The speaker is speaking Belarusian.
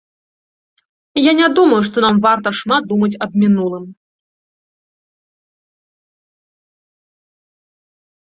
Я не думаю, што нам варта шмат думаць аб мінулым.